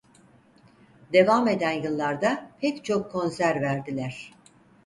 Devam eden yıllarda pek çok konser verdiler.